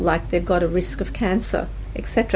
seperti mereka berisiko penyakit dan sebagainya